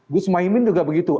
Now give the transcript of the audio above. gus maimin juga begitu